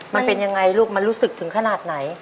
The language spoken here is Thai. มันเป็นยังไงลูกมันรู้สึกถึงขนาดไหน